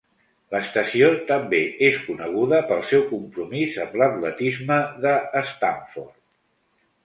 L'estació també és coneguda pel seu compromís amb l'atletisme de Stanford.